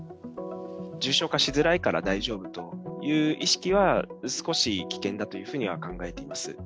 重症化しづらいから大丈夫という意識は、少し危険だというふうには考えています。